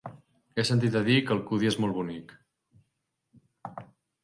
He sentit a dir que Alcúdia és molt bonic.